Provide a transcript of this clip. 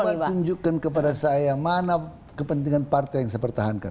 coba tunjukkan kepada saya yang mana kepentingan partai yang saya pertahankan